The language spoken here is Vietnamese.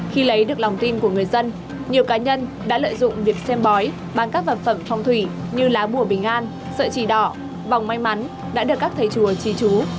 khi lấy được lòng tin của người dân nhiều cá nhân đã lợi dụng việc xem bói bằng các vật phẩm phong thủy như lá bùa bình an sợi chỉ đỏ vòng may mắn đã được các thầy chùa trì chú